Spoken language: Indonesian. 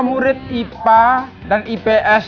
murid ipa dan ips